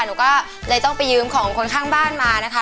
หนูก็เลยต้องไปยืมของคนข้างบ้านมานะคะ